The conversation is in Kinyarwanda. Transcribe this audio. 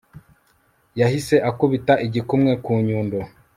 yahise akubita igikumwe ku nyundo